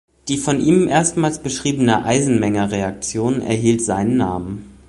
Die von ihm erstmals beschriebene Eisenmenger-Reaktion erhielt seinen Namen.